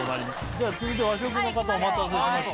では続いて和食の方お待たせしました。